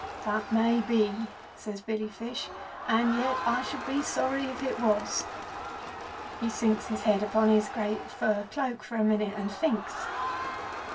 "'That may be,' says Billy Fish, 'and yet I should be sorry if it was.' He sinks his head upon his great fur cloak for a minute and thinks.